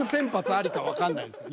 ありかわかんないです。